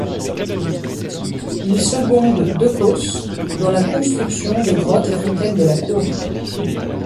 Il seconde de Caus dans la construction des grottes et fontaines de la cour.